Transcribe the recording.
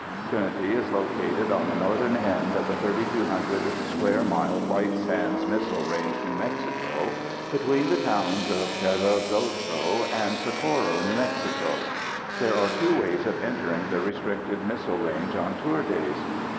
Trinity is located on the northern end of the 3,200 square mile White Sands Missile Range, N.M., between the towns of Carrizozo and Socorro, N.M. There are two ways of entering the restricted missile range on tour days.